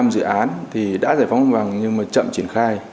một mươi năm dự án thì đã giải phóng vòng vòng nhưng mà chậm triển khai